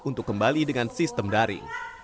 untuk kembali dengan sistem daring